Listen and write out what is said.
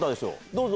どうぞ。